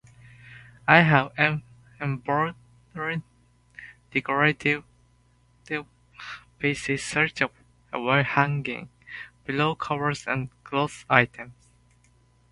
I have embroidered decorative pieces such as wall hangings, pillow covers, and clothing items.